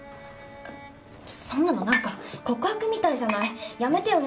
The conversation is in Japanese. そんなのなんか告白みたいじゃないやめてよね